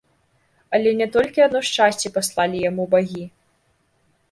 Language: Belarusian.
Але не толькі адно шчасце паслалі яму багі.